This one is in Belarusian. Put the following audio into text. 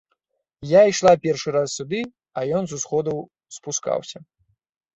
Я ішла першы раз сюды, а ён з усходаў спускаўся.